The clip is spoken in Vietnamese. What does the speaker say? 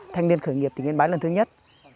thanh niên khởi nghiệp tỉnh yên bái lần thứ nhất